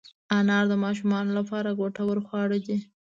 انار د ماشومانو لپاره ګټور خواړه دي.